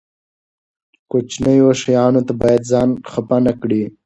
کوچنیو شیانو ته باید ځان خپه نه کړي.